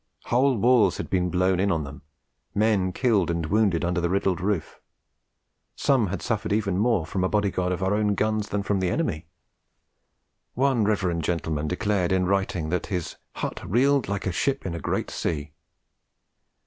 Whole walls had been blown in on them, men killed and wounded under the riddled roof. Some had suffered even more from a bodyguard of our own guns than from the enemy; one reverend gentleman declared in writing that his 'hut reeled like a ship in a great sea.'